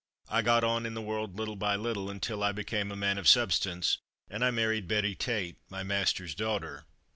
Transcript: I got on in the world little by little, until I became a man of substance, and I married Betty Tate, my master's daughter.